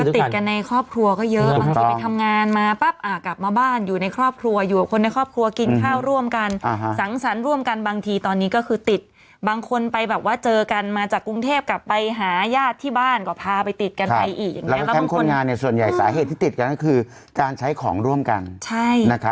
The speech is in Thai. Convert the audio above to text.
ติดกันในครอบครัวก็เยอะบางทีไปทำงานมาปั๊บกลับมาบ้านอยู่ในครอบครัวอยู่กับคนในครอบครัวกินข้าวร่วมกันสังสรรค์ร่วมกันบางทีตอนนี้ก็คือติดบางคนไปแบบว่าเจอกันมาจากกรุงเทพกลับไปหาญาติที่บ้านก็พาไปติดกันไปอีกอย่างนี้แล้วบางคนงานเนี่ยส่วนใหญ่สาเหตุที่ติดกันก็คือการใช้ของร่วมกัน